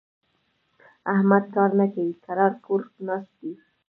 احمد کار نه کوي؛ کرار کور ناست دی.